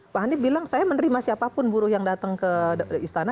pak hani bilang saya menerima siapapun buruh yang datang ke istana